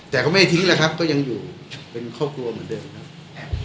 แต่ก็ไม่ทิ้งแล้วครับก็ยังอยู่เป็นครอบครัวเหมือนเดิมครับ